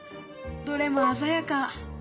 どれも鮮やか。